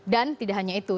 dan tidak hanya itu